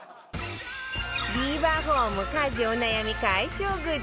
ビバホーム家事お悩み解消グッズ